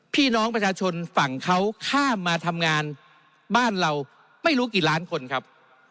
พี่น้องประชาชนฝั่งเขาข้ามมาทำงานบ้านเราไม่รู้กี่ล้านคนครับ